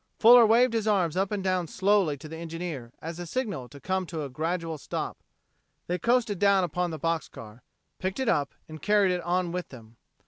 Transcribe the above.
Fuller waved his arms up and down slowly to the engineer as a signal to come to a gradual stop. They coasted down upon the box car, picked it up and carried it on with them.